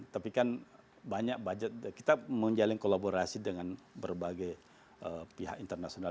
tapi kan banyak budget kita menjalin kolaborasi dengan berbagai pihak internasional